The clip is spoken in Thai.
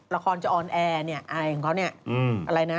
ละครจออนแอร์อย่างเขาเนี่ย